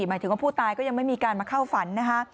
หมายถึงว่าผู้ตายก็ยังไม่มีการมาเข้าฝันนะคะ